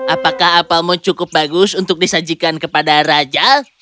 apakah apelmu cukup bagus untuk disajikan kepada raja